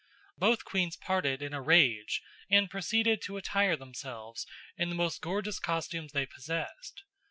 Both queens parted in a rage and proceeded to attire themselves in the most gorgeous costumes they possessed.